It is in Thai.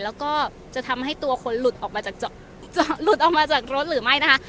แล้วก็จะทำให้ตัวคนหลุดออกมาจากรถหรือไม่นะคะ